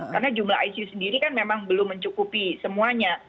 karena jumlah icu sendiri kan memang belum mencukupi semuanya